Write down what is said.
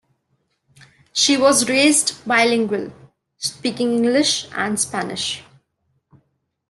She was raised bilingual, speaking English and Spanish.